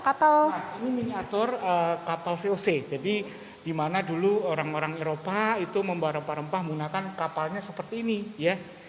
kapal ini miniatur kapal voc jadi dimana dulu orang orang eropa itu membawa rempah rempah menggunakan kapalnya seperti ini ya